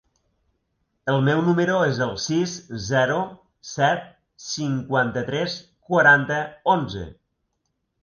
El meu número es el sis, zero, set, cinquanta-tres, quaranta, onze.